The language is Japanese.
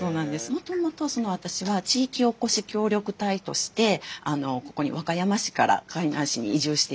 もともと私は地域おこし協力隊としてここに和歌山市から海南市に移住してきたんです。